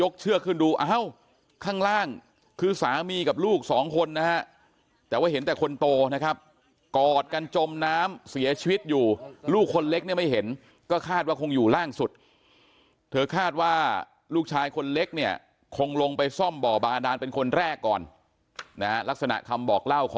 ข้างล่างมันมีลักษณะแบบแก๊สไข่เน่าอยู่ด้วยนะครับ